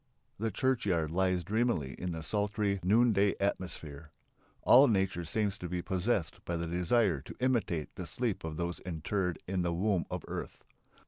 The churchyard lies dreamily in the sultry noonday atmosphere. All nature seems to be possessed by the desire to imitate the sleep of those interred in the womb of earth.